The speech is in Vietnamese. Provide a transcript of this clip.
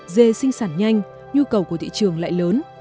dê sinh sản nhanh nhu cầu của thị trường lại lớn